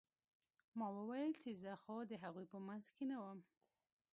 ما وويل چې زه خو د هغوى په منځ کښې نه وم.